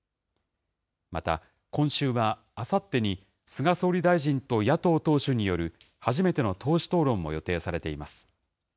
また、今週はあさってに菅総理大臣と野党党首による初めての党首討論も予定されています。